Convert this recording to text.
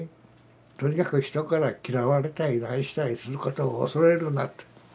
とにかく人から嫌われたり何したりすることを恐れるなと。